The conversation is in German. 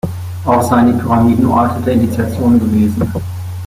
Auch seien die Pyramiden Orte der Initiation gewesen.